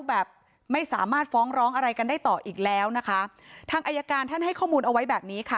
แบบไม่สามารถฟ้องร้องอะไรกันได้ต่ออีกแล้วนะคะทางอายการท่านให้ข้อมูลเอาไว้แบบนี้ค่ะ